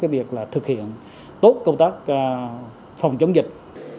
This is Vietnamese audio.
việc thực hiện tốt công tác phòng chống dịch